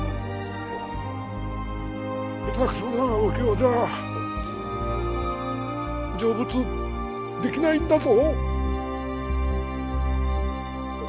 下手くそなお経じゃ成仏できないんだぞ。